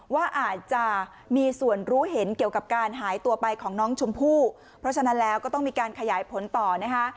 ว่าอาจจะมีส่วนรู้เห็นเกี่ยวกับการหายตัวไปของน้องชมพู่เพราะฉะนั้นแล้วก็ต้องมีการขยายผลต่อนะคะ